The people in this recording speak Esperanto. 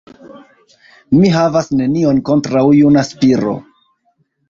Mi havas nenion kontraŭ juna Spiro!